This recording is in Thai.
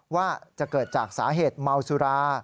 ว่าจะเกิดจากสาเหตุเมาสุรา